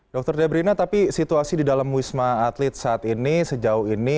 dr debrina tapi situasi di dalam wisma atlet saat ini sejauh ini